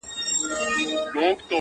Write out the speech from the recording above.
د پايزېب شرنگ ته يې په ژړا سترگې سرې کړې